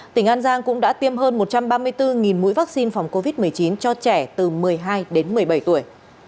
tỉnh an giang cũng đã tiêm hơn một trăm ba mươi bốn mũi vaccine phòng covid một mươi chín cho trẻ từ một mươi hai đến một mươi bảy tuổi